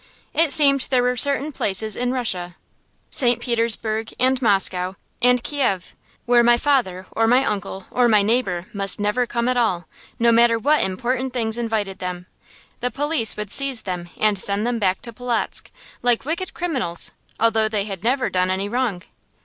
It seemed there were certain places in Russia St. Petersburg, and Moscow, and Kiev where my father or my uncle or my neighbor must never come at all, no matter what important things invited them. The police would seize them and send them back to Polotzk, like wicked criminals, although they had never done any wrong.